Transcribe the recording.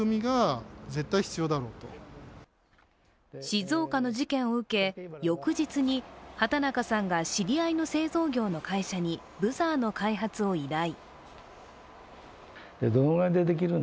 静岡の事件を受け、翌日に畑中さんが知り合いの製造業の会社にブザーの開発を依頼。